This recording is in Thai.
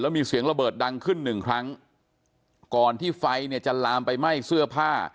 มีเสียงระเบิดดังขึ้นหนึ่งครั้งก่อนที่ไฟเนี่ยจะลามไปไหม้เสื้อผ้า